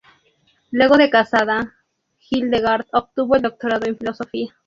Luego de casada, Hildegard obtuvo el doctorado en filosofía.